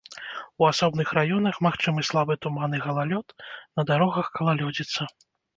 У асобных раёнах магчымы слабы туман і галалёд, на дарогах галалёдзіца.